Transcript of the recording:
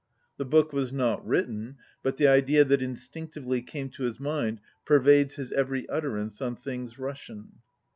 The book was not writ ten but the idea that instinctively came to him per vades his every utterance on things Russian.